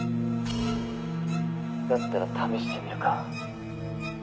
「だったら試してみるか」